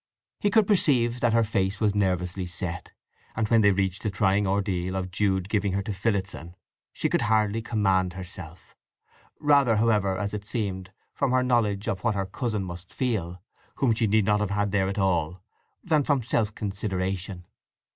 He could perceive that her face was nervously set, and when they reached the trying ordeal of Jude giving her to Phillotson she could hardly command herself; rather, however, as it seemed, from her knowledge of what her cousin must feel, whom she need not have had there at all, than from self consideration.